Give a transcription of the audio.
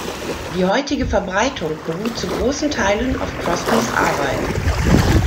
Die heutige Verbreitung beruht zu großen Teilen auf Crosbys Arbeit.